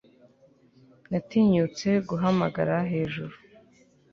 Natinyutse kuguhamagara hejuru